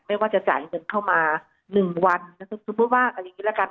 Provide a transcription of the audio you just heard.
ไม่ว่าจะจ่ายเงินเข้ามา๑วันสมมุติว่ากันอย่างนี้ละกัน